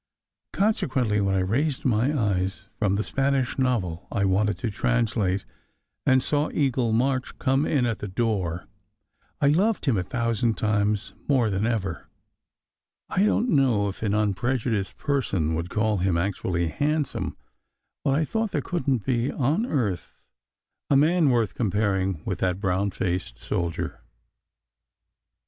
Consequently, when I raised my eyes from the Spanish novel I wanted to translate, and saw Eagle March come in at the door, I loved him a thousand times more than ever. I don t know if an unprejudiced person would call him actually handsome; but I thought there couldn t be on earth a man worth comparing with that brown faced soldier.